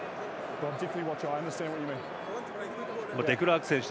デクラーク選手